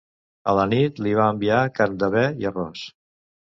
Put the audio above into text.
A la nit li va enviar carn de bé i arròs.